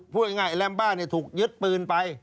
พูดง่ายไอ้แลมบ้านนี่ถูกยึดปืนไป